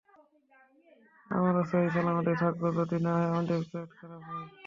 আমরা সহিসালামতেই থাকব যদি না আমাদের পেট খারাপ হয়।